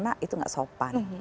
nah itu gak sopan